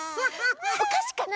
おかしかな？